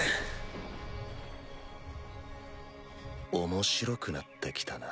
面白くなってきたな。